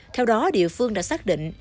theo đó địa phương đã xác định